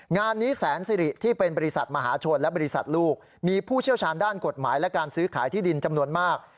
งานนี้แสนสิริที่เป็นบริษัทมหาชนและบริษัทลูกมีผู้เชี่ยวชาญด้านกฎหมายและการซื้อขายที่ดินจำนวนมาก